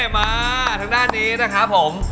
มาทางด้านนี้นะครับผม